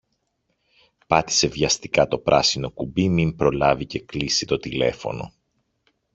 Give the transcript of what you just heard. Πάτησε βιαστικά το πράσινο κουμπί μην προλάβει και κλείσει το τηλέφωνο